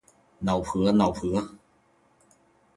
脑婆脑婆